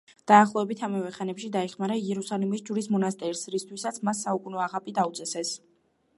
დაახლოებით ამავე ხანებში დაეხმარა იერუსალიმის ჯვრის მონასტერს, რისთვისაც მას საუკუნო აღაპი დაუწესეს.